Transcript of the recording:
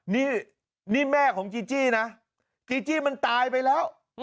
นี่นี่แม่ของจีจี้นะจีจี้มันตายไปแล้ว